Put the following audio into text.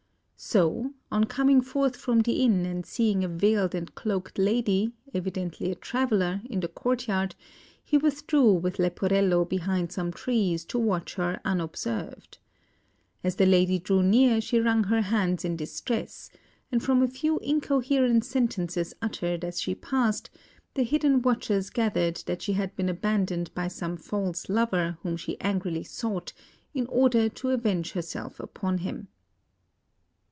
So, on coming forth from the inn, and seeing a veiled and cloaked lady, evidently a traveller, in the courtyard, he withdrew with Leporello behind some trees to watch her unobserved. As the lady drew near, she wrung her hands in distress, and from a few incoherent sentences uttered as she passed, the hidden watchers gathered that she had been abandoned by some false lover whom she angrily sought, in order to avenge herself upon him.